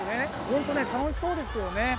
本当に楽しそうですよね。